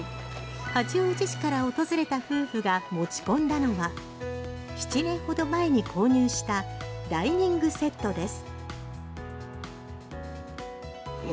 八王子市から訪れた夫婦が持ち込んだのは７年ほど前に購入したダイニングセットです。